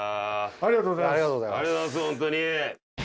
ありがとうございます。